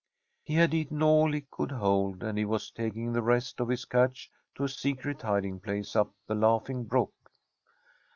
He had eaten all he could hold, and he was taking the rest of his catch to a secret hiding place up the Laughing Brook.